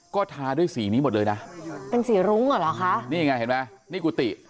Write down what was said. ก็ทาด้วยสีนี้หมดเลยนะเป็นสีรุ้งเหรอคะนี่ไงเห็นไหมนี่กุฏิ